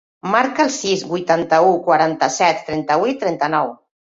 Marca el sis, vuitanta-u, quaranta-set, trenta-vuit, trenta-nou.